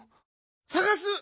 さがす！